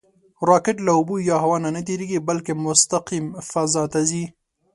راکټ له اوبو یا هوا نه نهتېرېږي، بلکې مستقیم فضا ته ځي